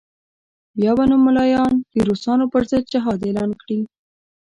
بیا به نو ملایان د روسانو پر ضد جهاد اعلان کړي.